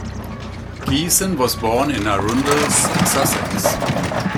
Geeson was born in Arundel, Sussex.